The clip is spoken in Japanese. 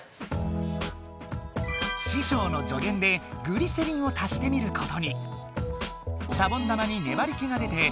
師匠の助言でグリセリンを足してみることに。